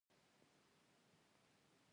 واکمنه ډله د سختو بنسټونو له امله ګټونکې شوه.